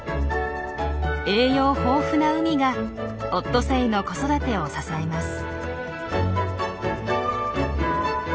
栄養豊富な海がオットセイの子育てを支えます。